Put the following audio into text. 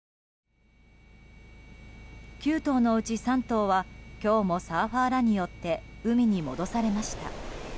９頭のうち３頭は今日もサーファーらによって海に戻されました。